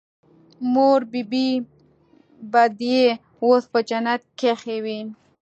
مور بي بي به دې اوس په جنت کښې وي.